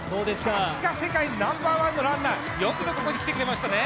さすが世界ナンバーワンのランナー、よくここに来てくれましたね。